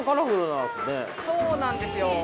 ・そうなんですよ。